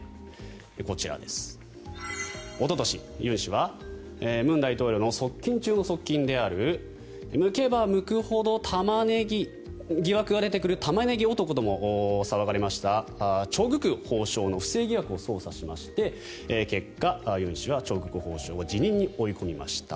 こちら、おととしユン氏は文大統領の側近中の側近であるむけば向くほど疑惑が出てくるタマネギ男とも騒がれましてチョ・グク法相の不正疑惑を調査しまして結果、ユン氏はチョ・グク法相を辞任に追い込みました。